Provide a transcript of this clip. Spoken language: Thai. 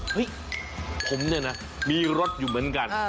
ผมนี่นะมีรถอยู่เหมือนกัน